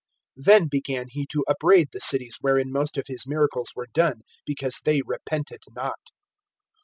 (20)Then began he to upbraid the cities wherein most of his miracles were done, because they repented not.